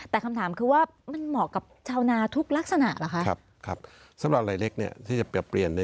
แต่คำถามก็คือว่ามันเหมาะกับเจ้าหนาทุกลักษณะหรอคะ